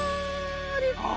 立派！